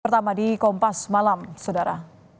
pertama di kompas malam saudara